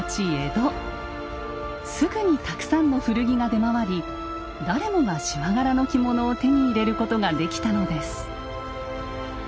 すぐにたくさんの古着が出回り誰もが縞柄の着物を手に入れることができたのです。